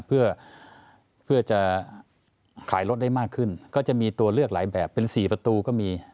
เพื่อจะขายรถได้มากขึ้นก็จะมีตัวเลือกหลายแบบเป็น๔ประตูก็มี